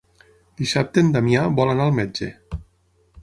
Dissabte en Damià vol anar al metge.